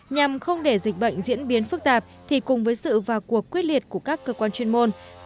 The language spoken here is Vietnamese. nhằm không để dịch bệnh diễn biến phức tạp thì cùng với sự và cuộc quyết liệt của các cơ quan chuyên môn